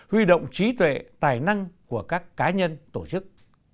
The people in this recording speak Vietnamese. huy động trí tuệ tài năng của các cá nhân tổ chức